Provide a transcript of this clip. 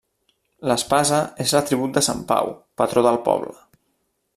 L'espasa és l'atribut de sant Pau, patró del poble.